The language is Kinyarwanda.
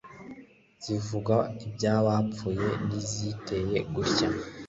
zivuga ibyabapfuye ni iziteye gutya